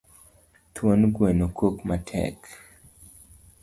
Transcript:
Thuon gweno kok matek